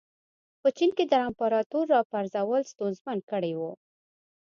په چین کې د امپراتور راپرځول ستونزمن کړي وو.